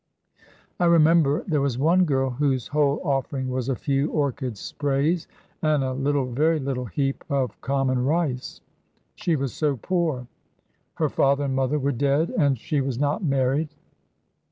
I remember there was one girl whose whole offering was a few orchid sprays, and a little, very little, heap of common rice. She was so poor; her father and mother were dead, and she was not married.